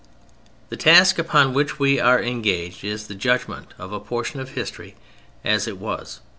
The task upon which we are engaged is the judgment of a portion of history as it was.